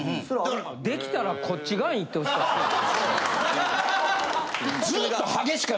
できたらこっち側に行ってほしかったよね。